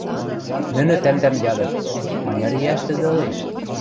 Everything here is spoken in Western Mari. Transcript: Нӹнӹ тӓмдӓм ядыт: «Маняр иӓш тӹдӹ ылеш?